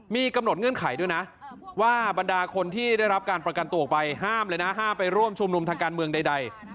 มีกำหนดเงื่อนไขด้วยนะว่าบรรดาคนที่ได้รับการประกันตัวออกไปห้ามเลยนะห้ามไปร่วมชุมนุมทางการเมืองใด